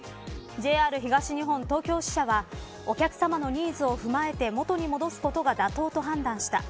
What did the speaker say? ＪＲ東日本東京支社はお客さまのニーズを踏まえて元に戻すことが妥当と判断した。